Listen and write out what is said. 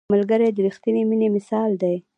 ملګری د رښتیني مینې مثال دی